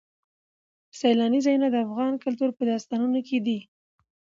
سیلاني ځایونه د افغان کلتور په داستانونو کې دي.